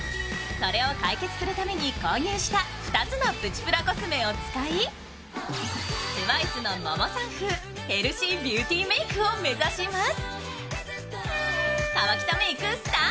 それを解決するために購入した２つのプチプラコスメを使いＴＷＩＣＥのモモさん風、ヘルシービューティーメイクを目指します。